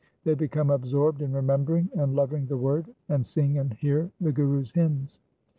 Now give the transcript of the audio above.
They become absorbed in remembering and loving the Word, and sing and hear the Guru's hymns.